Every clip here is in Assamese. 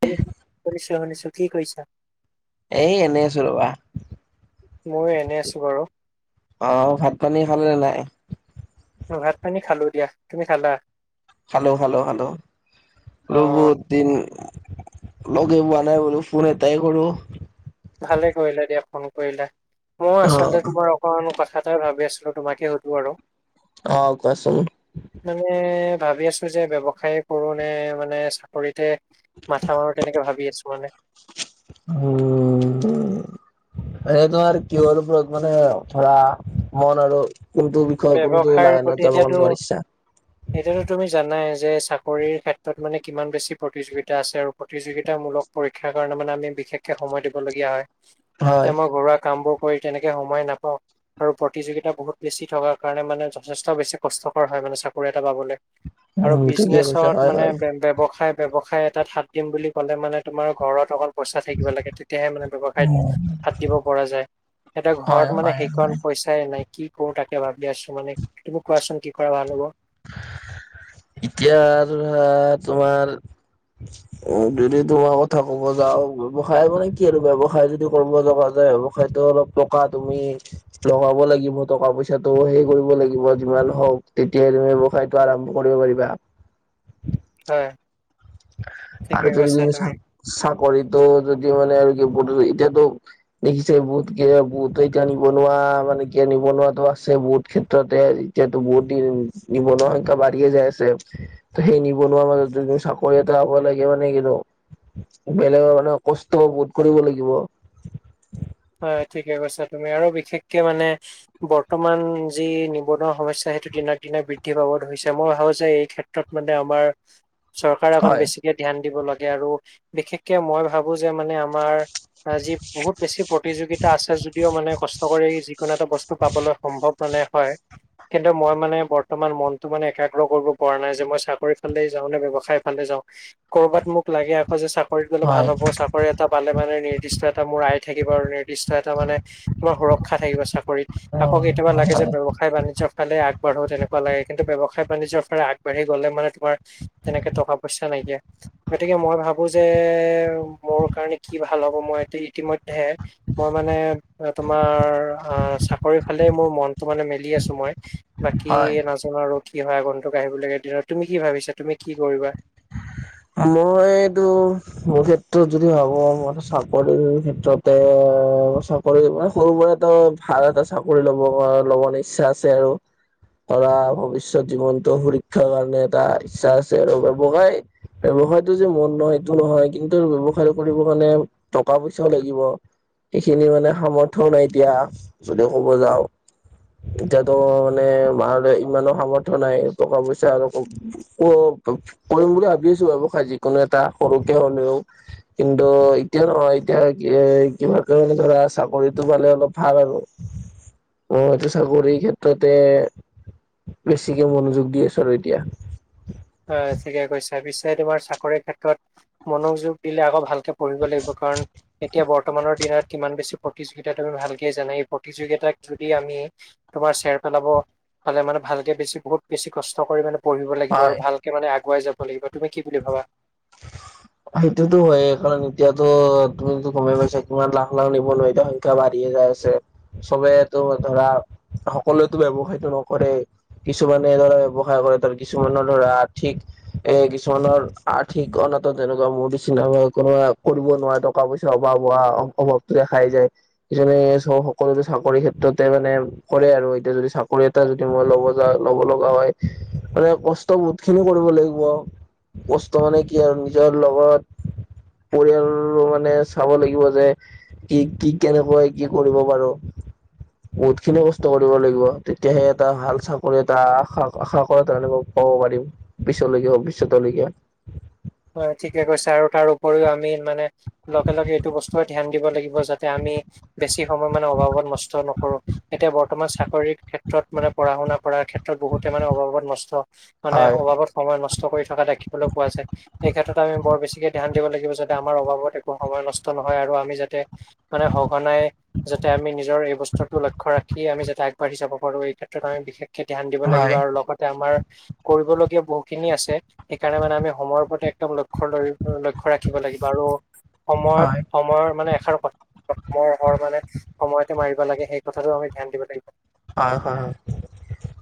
শুনি শুনিছো শুনিছো কি কৈছা? এই এনেই আছো ৰবা। ময়ো এনেই আছো বাৰু অ', ভাত পানী খালে নে নাই ভাত পানী খালো দিয়া তুমি খালা খালো খালো খালো অ' ৰবত দিন লগেই পোৱা নাই বোলো ফোন এটাই কৰোঁ ভালে কৰিলা দিয়া ফোন কৰিলা মই অ' আচলতে তোমাৰ মইনো কথা এটাই ভাবি আছিলো তোমাকে সুধো আৰু অ', কোৱাচোন মানে ভাবি আছো যে ব্যৱসায় কৰো নে মানে চাকৰিতে মাথা মাৰো তেনেকে ভাবি আছো মানে উম এ তোমাৰ কিহৰ ওপৰত মানে ধৰা মন আৰু কোনটো কোনটো ব্যৱসায়ৰ প্ৰতি লাইনত যাবৰ এতিয়াতো তোমাৰ ইচ্ছা এতিয়াতো তুমি জানাই যে চাকৰিৰ ক্ষেত্ৰত মানে কিমান বেছি প্ৰতিযোগিতা আছে আৰু প্ৰতিযোগিতামূলক পৰীক্ষাৰ কাৰণে মানে আমি বিশেষকে সময় দিবলগীয়া হয় হয়। এতিয়া মই ঘৰুৱা কামবোৰ কৰি তেনেকে সময় নাপাওঁ আৰু প্ৰতিযোগিতা বহুত বেছি থকা কাৰণে মানে যথেষ্ট বেছি কষ্টকৰ হয় মানে চাকৰি এটা পাবলে আৰু উম ঠিকে কৈছা বিজনেচত হয় মানে হয় ব্যৱসায় ব্যৱসায় তাত হাত দিম বুলি ক'লে মানে তোমাৰ ঘৰত অকল পইচা থাকিব লাগে তেতিয়াহে মানে ব্যৱসাইত উম হাত দিব পৰা যায় এতিয়া হয় ঘৰত মানে হয় সেইকন হয়। পইচ চাই নাই কি কৰো তাকে ভাবি আছো মানে তুমি কোৱাচোন কি কৰা ভাল হ'ব এতিয়াটো ধৰা তোমাৰ উম যদি তোমাৰ কথা ক'ব যাওঁ ব্যৱসায় মানে কি আৰু ব্যৱসায় যদি কৰিব যাব যায় ব্যৱসায়টো অলপ টকা তুমি লগাব লাগিব টকা পইচাটো হেই কৰিব লাগিব যিমান হওক তেতিয়া তুমি ব্যৱসায়টো আৰম্ভ কৰিব পাৰিবা হয় ঠিকে আৰু যদি কৈছা তুমি। চাক চাকৰিতো যদি মানে আৰু কি এতিয়াতো দেখিছেই বহুত কে বহুত এতিয়া নিবনুৱা মানে কি নিবনুৱো আছে বহুত ক্ষেত্ৰতে তে বহুত দিন নিবনুৱা সংখ্যা বাঢ়িয়ে যাই আছে ত সেই নিবনুৱা মাজতে যে চাক কৰি এটা হব লাগিব মানে কি নো বেলেগ নহলেও কষ্ট বহুত কৰিব লাগিব হয় ঠিকে কৈছা তুমি আৰু বিশেষকে মানে বৰ্তমান যি নিবনুৱা সমস্যা সেইটো দিনক দিনে বৃদ্ধি পাব ধৰিছে মই ভাবো যে এই ক্ষেত্ৰত মানে আমাৰ চৰকাৰে অকন হয় বেছিকে ধ্যান দিব লাগে আৰু বিশেষকে মই ভাবো যে মানে আমাৰ আজি বহুত বেছি প্ৰতিযোগিতা আছে যদিও মানে কষ্ট কৰি যিকোনো এটা বস্তু পাবলৈ সম্ভৱ মানে হয়। কিন্তু মই মানে বৰ্তমান মনটো মানে একাগ্ৰ কৰিব পৰা নাই যে মই চাকৰি ফালেই যাওঁ নে ব্যৱসায় ফালে যাওঁ। কৰ'বাত মোক লাগে আকৌ যে চাকৰিত গলে ভাল হয় হ'ব চাকৰি এটা পালে মানে নিৰ্দিষ্ট এটা মোৰ আই থাকিব আৰু নিৰ্দিষ্ট এটা মানে তোমাৰ সুৰক্ষা থাকিব চাকৰিত। অ আকৌ কেতিয়াবা হয় লাগে যে হয় ব্যৱসায় বাণিজ্য ফালে আগবাঢ়ো তেনেকুৱা লাগে কিন্তু ব্যৱসায় বাণিজৰ ফালে আগবাঢ়ি গ'লে মানে তোমাৰ তেনেকে টকা পইচা নাইকিয়া। গতিকে মই ভাবো যে মোৰ কাৰণে কি ভাল হ'ব মই এইটো ইতি ম্য ধ্যে মই মানে এ তোমাৰ আ', চাকৰি ফালেই মোৰ মনটো মানে মেলি আছো মই বাকি হয় নাজ ত আৰু কি হয় আগন্তুক আহিব লগা দিনত তুমি কি ভাবিছা তুমি কি কৰিবা মইটো মোৰ ক্ষেত্ৰত যদি ভাবো মই ত চাকৰি ক্ষেত্ৰতে সৰু পৰা সৰু পৰাতো ভাল এটা চাকৰি লব ল'ব ইচ্ছা আছে আৰু ধৰা ভৱিষ্যত জীৱনটো সুৰক্ষাৰ কাৰণে এটা ইচ্ছা আছে আৰু ব্যৱসাই। ব্যৱসায়টো যে মন নহয় সেইটো নহয় কিন্তু ব্যৱসায় কৰিবৰ কাৰণে টকা পইচাও লাগিব। সেইখিনি মানে সামৰ্থও নাই এতিয়া যদি কব যাওঁ। এতিয়াতো মানে মাৰে ইমানো সামৰ্থ নাই টকা পইচা আৰু ক কৰিম বুলি ভাবি আছো ব্যৱসায় যিকোনো এটা সৰুকে হলেও। কিন্তু এতিয়া নহয় এতিয়া কি এ কিবা কাৰে ধৰা চাকৰিটো পালে অলপ ভাল আৰু। অ', এটো চাকৰিৰ ক্ষেত্ৰতে বেছিকে মনোযোগ দি আছো আৰু এতিয়া। হয় ঠিকেই কৈছা। পিছে তোমাৰ চাকৰিৰ ক্ষেত্ৰত মনোযোগ দিলে আকৌ ভাল কে পঢ়িব লাগিব কাৰণ এতিয়া ব বৰ্তমানৰ দিনত কিমান বেছি প্ৰতিযোগিতা, তুমি ভালকে জানা এই প্ৰতিযোগিতাক যদি আমি তোমাৰ চেৰ পেলাব পালে মানে ভালকে বেছি বহুত বেছি কষ্ট কৰি মানে পঢ়িব লা গিব আৰু হয় ভালকে মানে আগুৱাই যাব লাগিব। তুমি কি বুলি ভাবা? [inaudible] সেইটোতো হয়েই কাৰণ এতিয়াতো তুমিতো গমে পাইছা কিমান লাখ লাখ নিবনুৱা এতিয়া বাঢ়িয়ে যাই আছে, চবেইতো ধৰা সকলোটো ব্যয়ৱসায়টো নকৰে। কিছুমানে এইদৰে ব্যৱসায় কৰে ধৰা কিছুমানৰ দৰে আৰ্থিক এ কিছুমানৰ আ ৰ্থিক অনত তেনেকুৱা মোৰ নিচিনা ধৰ কোনোবা কৰিব নোৱাৰে টকা পইচাৰ অভাৱ হোৱা অভাৱতোয়ে খাই যায়। যেনে চব সকলোতে চাকৰিৰ ক্ষেত্ৰতে মানে কৰে আৰু এতিয়া যদি চাকৰি এটা যদি মই লব যাওঁ লব লগা হয় মানে কষ্ট বহুত খিনি কৰিব লাগিব। কষ্ট মানে কি আৰু নিজৰ লগত পৰিয়ালৰো মানে চাব লাগিব যে কি কি কেনেকৈ কি কৰিব পাৰো। বহুত খিনি কষ্ট কৰিব লাগিব, তেতিয়াহে এটা ভাল চাকৰি এটা আশা আশা কৰা তেওলোকক কব পাৰিম পিছলৈকে ভৱিষ্যতৰ লৈকে। হয় ঠিকে কৈছে। আৰু তাৰ উপৰিও আমি মানে লগে লগে এইটো বস্তুৱে ধ্যান দিব লাগিব যাতে আমি বেছি সময় মানে অভাৱত নষ্ট নকৰো। এতিয়া বৰ্তমান চাকৰিৰ ক্ষেত্ৰত মানে পঢ়া শুনা কৰাৰ ক্ষেত্ৰত বহুতে মানে অভাৱত নষ্ট মানে হয় অভাৱত সময় নষ্ট কৰি থকা দেখিবলৈ পোৱা যায়। এই ক্ষেত্ৰত আমি বৰ বেছিকে ধ্যান দিব লাগিব যাতে আমাৰ অভাৱত একো সময় নষ্ট নহয় আৰু আমি যাতে মানে সঘনাই যাতে আমি নিজৰ এই বস্তটো লক্ষ্য ৰাখি আমি যাতে আগবাঢ়ি যাব পাৰো এই ক্ষেত্ৰত আমি বিশেষ ধ্যান দিব লাগিব হয় আৰু লগতে আমাৰ কৰিবলগীয়া বহুতখিনি আছে, সেইকাৰণে মানে আমি সময় একদম লক্ষ্য লক্ষ্য ৰাখিব লাগিব আৰু হয় সময়ত হয় সময়ৰ মানে এষাৰ ক থা সময়ৰ শৰ মানে সময়ত মাৰিব লাগে, সেই কথাটোও আমি ধ্যান দিব লাগিব। হয় হয়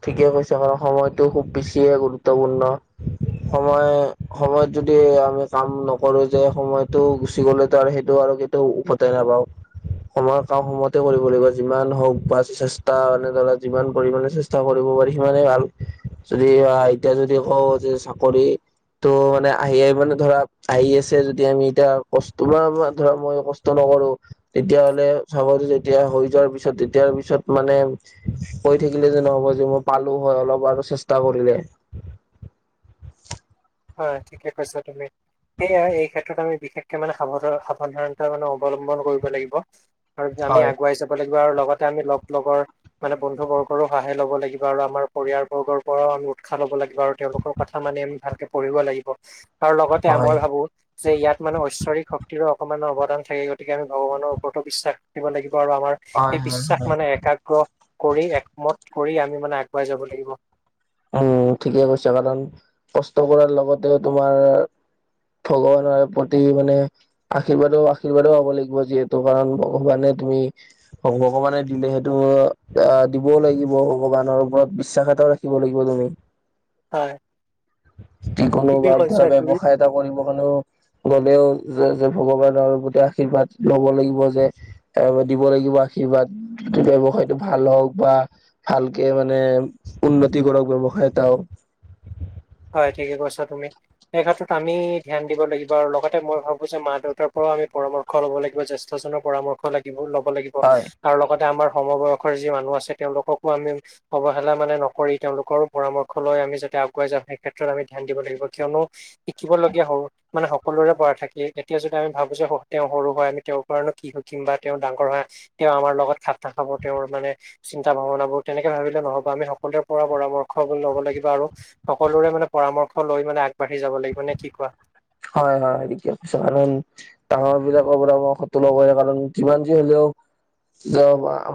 ঠিকে কৈছা বাৰু, সময়টো খুব বেছিয়ে গুৰুত্বপূৰ্ণ। সময় সময়ত যদি আমি কাম নকৰো যে সময়টো গুচি গ'লেতো আৰু সেইটো আৰু কে তিয়াও উভতাই নাপাও, সময়ৰ কাম সময়তে কৰিব লাগিব যিমান হওক বা চে ষ্টা মানে ধৰা যিমান পৰিমাণে চেষ্টা কৰিব পাৰি সিমানেই ভাল। যদি এতিয়া যদি কওঁ যে চাকৰি ত' মানে আহি আহ মানে ধৰা আহি আছে যদি আমি এতিয়া কষ্ট তোমাৰ ধৰা মই ক ষ্ট নকৰো তেতিয়াহ'লে চাব যে যেতিয়া হৈ যোৱাৰ পিছত তেতিয়াৰ পিছত মানে কৈ থাকিলে যে ন'হব যে মই পালো হয় অলপ আৰু চেষ্টা কৰিলে। হয়, ঠিকে কৈছা তুমি। সেয়াই এই ক্ষেত্ৰত আমি বিশেষকে মানে সাৱান সাৱধানতা মানে অৱলম্বন কৰিব লাগিব। আৰু আমি হয় আগুৱাই যাব লাগিব আৰু লগতে আমি লগ লগৰ মানে বন্ধু বৰ্গৰো সহায় ল'ব লাগিব আৰু আমাৰ পৰিয়াল বৰ্গৰ পৰাও উৎসাহ ল'ব লাগিব আৰু তেওঁলোকৰ কথা মানি আমি ভালকে পঢ়িব লাগিব, আৰু লগতে হয় হয় মই ভাবো যে ইয়াত মানে ঐশ্বৰিক শক্তিৰো অকণমান অৱদান থাকে গতিকে আমি ভগৱানৰ ওপৰতো বিশ্বাস দিব লাগিব আৰু আমাৰ সেই হয় বিশ্বাস হয় মানে একাগ্ৰ কৰি একমত কৰি আমি মানে আগুৱাই যাব লাগিব। উম ঠিকে কৈছা, কাৰণ কষ্ট কৰাৰ লগতেও তোমাৰ ভগৱানৰ প্ৰতি মানে আশীৰ্বাদও আশীৰ্বাদও হ'ব লাগিব যিহেতু কাৰণ ভগৱানে তুমি ভগৱানে দিলে সেইটো আহ দিবও লাগিব ভগৱানৰ ওপৰত বিশ্বাস এটাও ৰা দিব লাগিব তুমি। হয়। যিকোনো ঠিকেই বাব কৈছা ধৰা তুমি ব্যৱসায়ত। কৰিব কাৰণেও গলেও যে যে ভগৱানৰ প্ৰতি আশীৰ্বাদ ল'ব লাগিব যে। ত দিব লাগিব আশীৰ্বাদ ব্যৱসায়টো ভাল হওক বা। ভালকে মানে উন্নতি কৰক ব্যৱসায় এটাও। হয় ঠিকে কৈছা তুমি। সেই ক্ষেত্ৰত আমি ধ্যান দিব লাগিব আৰু লগতে মই ভাবো যে মা দেউতাৰ পৰাও আমি পৰামৰ্শ সেৱা লব লাগিব জেষ্ঠজনৰ পৰামৰ্শ লাগিব লব লাগিব। হয় আৰু লগতে আমাৰ সমবয়সৰ যি মানুহ আছে তেওঁলোককো আমি। অৱহেলা মানে নকৰি তেওঁলোকৰো পৰামৰ্শ লৈ আমি যাতে আগুৱাই যামওঁ। ক্ষেত্ৰত আমি ধ্যান দিব লাগিব কিয়নো শিকিবলগীয়া সৰু মানে সকলোৰে পৰা থাকি এতিয়া যদি আমি ভাবো যে তেওঁ সৰু হয় আমি তেওঁৰ পৰাণো কি সিকিম বা তেওঁ ডাঙৰ হয়। তেওঁ আমাৰ লগত খাত নাখাব তেওঁৰ মানে। চিন্তা ভাৱনাবোৰ তেনেকে ভাবিলে নহব আমি সকলোৰে পৰা পৰামৰ্শ লব লাগিব আৰু সকলোৰে মানে পৰামৰ্শ লৈ আগবাঢ়ি যাব লাগিব নে কি কোৱা? হয় হয় ঠিকেই কৈছা কাৰণ। ডাঙৰ বিলাকৰ পৰামৰ্শ টো ল'ব লাগিব কাৰণ যিমান যি হলেও।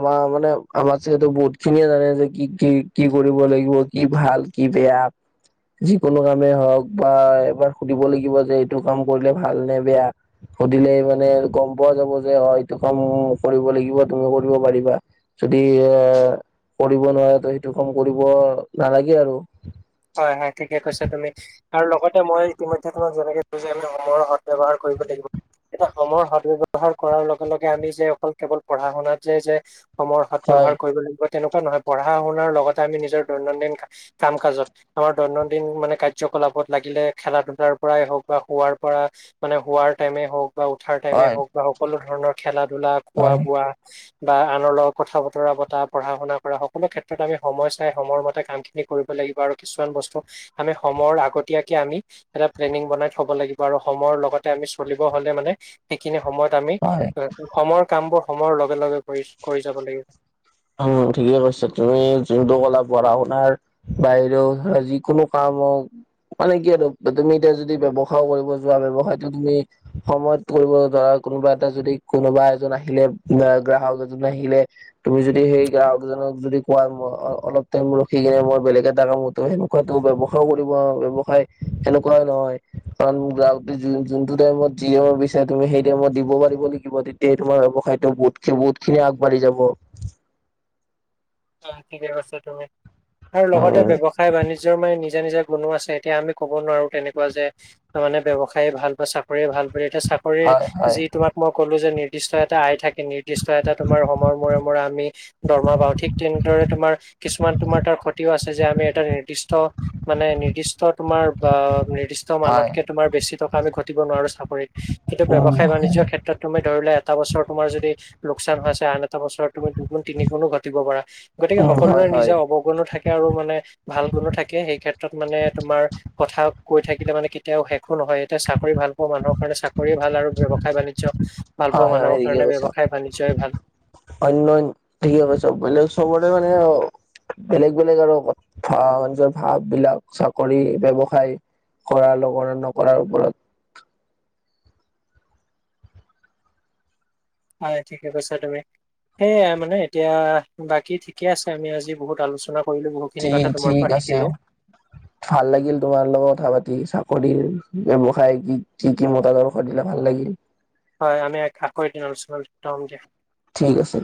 আমাৰ মানে আমাৰ যিহেতু বহুত খিনিয়ে জানে যে কি কি কি কৰিব লাগিব। কি ভাল কি বেয়া যিকোনো কামেই হওঁক বা এবাৰ সুধিব লাগিব যে এইটো কাম কৰিলে ভাল নে বেয়া। সুধিলে মানে গম পোৱা যাব যে হয় এইটো কাম কৰিব লাগিব তুমিও কৰিব পাৰিবা। যদি এ কৰিব নোৱাৰে তো সেইটো কাম কৰিব নালাগে আৰু। হয় হয় ঠিকে কৈছা তুমি। আৰু লগতে মই ইতিমধ্যে তোমাক যেনেকে কৈছো যে সময়ৰ সদ ব্যৱহাৰ কৰিব লাগিব। এটা সমৰ সদব্যৱহাৰ কৰাৰ লগে লগে আমি যে অকল কেৱল পঢ়া শুনাত যে যে কৰ হয় সৎব্যৱহাৰ কৰিব লাগিব তেনেকুৱা নহয় পঢ়া শুনাৰ লগতে আমি নিজৰ দৈনন্দিন কাম কাজত আমাৰ দৈনন্দিন মানে কাৰ্যকলাপত লাগিলে খেলা ধলাৰ পৰাই হওক বা শোৱাৰ পৰা। মানে হোৱাৰ টাইমে হওক বা উঠাৰ টাইমে হয় হওক বা সকলো ধৰণৰ খেলা ধূলা খোৱা হয় বোৱা। বা আনৰ লগত কথা বতৰা পতা পঢ়া শুনা কৰা সকলো ক্ষেত্ৰত আমি সময় চাই সময়ৰ মতে কামখিনি কৰিব লাগিব আৰু কিছুমান বস্তু আমি সময়ৰ আগতীয়াকে আমি এটা প্লেনিং বনাই থব লাগিব আৰু সময়ৰ লগতে আমি চলিব হলে মানে। সেইখিনি সময়ত আমি হয় সমৰ কাম বোৰ সময়ৰ লগে লগে কৰি কৰি যাব লাগিব। উ ঠিকে কৈছে তুমি যোনটো কলা পঢ়া শুনাৰ। বাহিৰও ধ যিকোনো কাম হওক। মানে কি আৰু তুমি এতিয়া যদি ব্যৱসায় কৰিব যোৱা ব্যৱসায়টো তুমি সময়ত কৰিব ধৰা কোনোবা এটা যদি কোনোবা এজন আহিলে বা গ্ৰাহক এজন আহিলে। তুমি যদি সেই গ্ৰাহকজনক যদি কোৱা মই অলপ টাইম ৰখি কিনে মই বেলেগ এটা কামতো সে টো ব্যয়ৱসায়ও কৰিব ব্যয়ৱসায় সেনেকুৱাই নহয় কাৰণ যোনটো টাইমত যি হব বিচাৰে তুমি সেই টাইমত দিব পাৰিব লাগিব তেতিয়া তোমাৰ ব্যৱসায়টো বহুত বহুতখিনি আগবাঢ়ি যাব। অ ঠিকে কৈছা তুমি আৰু লগতে ব্যৱসায় ব্যবসায় বানিজ্যত মানে নিজা নিজা গুণো আছে এতিয়া আমি ক'ব নোৱাৰো তেনেকুৱা যে। তাৰ মানে ব্যবসায় ভাল বা চাকৰিয়ে ভাল পায় এতিয়া চাকৰিৰ হয় হয় যি তোমাৰ মই ক'লো যে নিৰ্দিষ্ট এটা আই থাকে নিৰ্দিষ্ট এটা তোমাৰ সয়মৰ মূৰে মূৰে আমি দৰমা পাও ঠিক। তেনেদৰে তোমাৰ কিছুমান তোমাৰ তাৰ ক্ষতিও আছে যে আমি এটা নিৰ্দিষ্ট মানে নিৰ্দিষ্ট তোমাৰ বা নিৰ্দিষ্ট হয় মানতকে তোমাৰ বেছি টকা আমি ঘটিব নোৱাৰো চাকৰিত কিন্তু উম ব্যৱসায় বাণিজ্যৰ ক্ষেত্ৰত তুমি ধৰি লোৱা এটা বছৰ তোমাৰ যদি লোকচান হৈ আছে আন এটা বছৰত তুমি দুগু তিনি গোণো ঘটিব পাৰা গতিকে হয় সকলোৰে হয় নিজৰ অ গুণো থাকে আৰু মানে ভাল গুণো থাকে সেই ক্ষেত্ৰত মানে তোমাৰ কথা কৈ থাকিলে মানে এয়া শেষ নহয় এতিয়া চাকৰি ভাল পোৱা মানুহৰ কাৰণে চাকৰি ভাল আৰু ব্যৱসায় বাণিজ্য ভাল হয় পোৱা হয় মানুহৰ ঠিকে কাৰণে কৈছা ব্যৱসায় বাণিজ্য ভাল অন্য ঠিক আ চব মে সবৰে মানে বেলেগ বেলেগ আৰু ভজৰ ভাব বিলাক চাকৰি ব্যৱসায় কৰা লগৰা নকৰাৰ ওপৰত হয় ঠিকে কৈছা তুমি সেইয়াই মানে এতিয়া বাকী ঠিকে আছে আমি আজি বহুত আলোচনা কৰিলো বহুত ঠিক ঠিক আছে ভাল লাগিল তোমাৰ লগত কথা পাতি চাকৰিৰ ব্যৱসায় কি কি কি মতাদৰ্শ দিলে ভাল লাগিল হয় আমি এক আকৰ দিন আলোচনা কৰিম দিয়া ঠিক আছে